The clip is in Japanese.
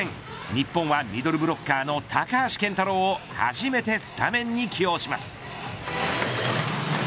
日本はミドルブロッカーの高橋健太郎を初めてスタメンに起用します。